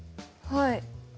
はい。